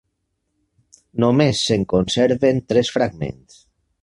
Només se'n conserven tres fragments.